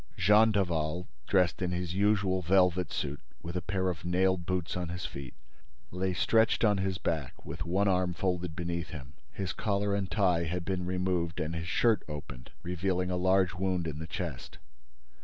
Jean Daval, dressed in his usual velvet suit, with a pair of nailed boots on his feet, lay stretched on his back, with one arm folded beneath him. His collar and tie had been removed and his shirt opened, revealing a large wound in the chest.